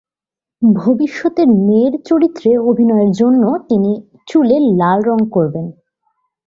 ভবিষ্যতের মেয়ের চরিত্রে অভিনয়ের জন্য তিনি চুলে লাল রং করেন।